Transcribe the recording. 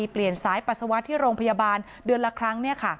สายปัสสาวะที่โรงพยาบาลเดือนละครั้ง